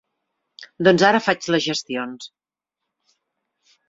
Doncs ara faig les gestions.